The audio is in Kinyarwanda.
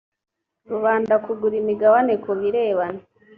rubanda kugura imigabane ku birebana